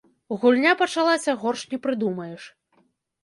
Гульня пачалася горш не прыдумаеш.